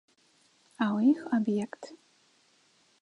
А ў іх аб'ект.